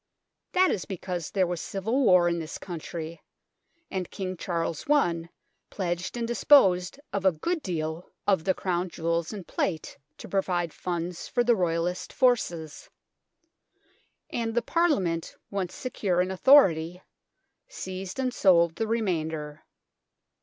That is because there was Civil War in this country, and King Charles I pledged and disposed of a good deal of the Crown BLOODY TOWER AND REGALIA 99 Jewels and plate to provide funds for the Royalist forces ; and the Parliament, once secure in authority, seized and sold the re mainder.